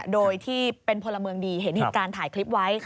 โดยที่เป็นพลเมืองดีเห็นเหตุการณ์ถ่ายคลิปไว้